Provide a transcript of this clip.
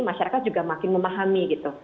masyarakat juga makin memahami gitu